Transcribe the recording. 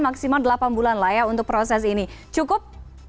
maksimal delapan bulan lah ya untuk proses ini cukup